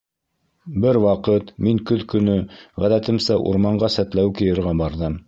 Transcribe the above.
Бер ваҡыт мин көҙ көнө, ғәҙәтемсә, урманға сәтләүек йыйырға барҙым.